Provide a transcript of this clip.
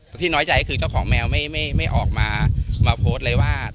แต่ที่น้อยใจก็คือเจ้าของแมวไม่ออกมาโพสต์เลยว่า